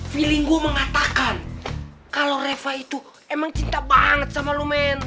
feeling gue mengatakan kalau reva itu emang cinta banget sama lo men